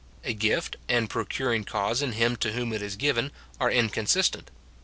A gift, and procuring cause in him to whom it is given, are inconsistent.